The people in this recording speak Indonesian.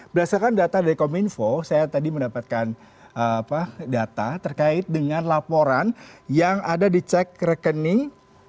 berdasarkan data dari kominfo saya tadi mendapatkan data terkait dengan laporan yang ada di cek rekening